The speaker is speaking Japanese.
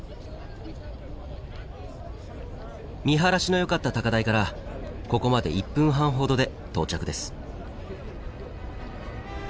見晴らしのよかった高台からここまで１分半ほどで到着です。